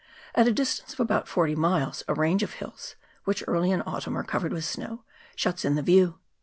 At a distance of about forty miles a range of hills, which early in autumn are covered with snow, shuts in the view.